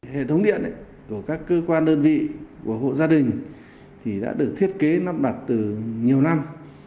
hệ thống điện của các cơ quan đơn vị của hộ gia đình đã được thiết kế lắp đặt từ nhiều năm